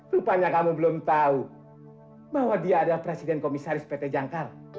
rupanya kamu belum tahu bahwa dia adalah presiden komisaris pt jangkar